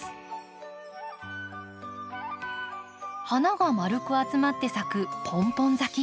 花が丸く集まって咲くポンポン咲き。